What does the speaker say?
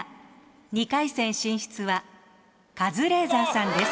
２回戦進出はカズレーザーさんです。